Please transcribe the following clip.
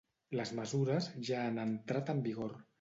Les mesures ja han entrat en vigor.